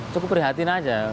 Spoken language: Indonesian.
saya berhati hati saja